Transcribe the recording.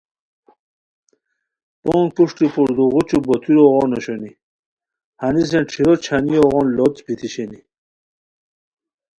پونگ پروشٹی پوردوغوچو بوتیرو غون اوشونی ہنیسین ݯھیرو چھا نیو غون لوڅ بیتی اوشوئے